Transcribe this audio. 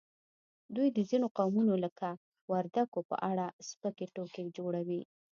دوی د ځینو قومونو لکه وردګو په اړه سپکې ټوکې جوړوي